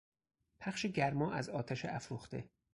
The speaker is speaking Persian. پخش گرما از آتش افروخته